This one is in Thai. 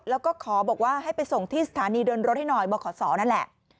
แล้วก็ขอบอกว่าให้ไปส่งที่สถานีเดินรถให้หน่อยบขศนั่นแหละ